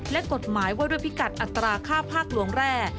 และกฎหมายว่าด้วยพิกัดอัตราค่าภาคหลวงแร่